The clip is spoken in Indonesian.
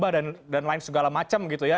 malah jadi berubah dan lain segala macam gitu ya